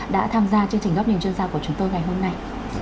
đã tham gia chương trình góp niềm chuyên gia của chúng tôi ngày hôm nay